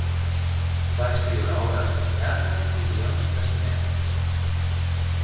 Va escriure obres de teatre i guions de cinema.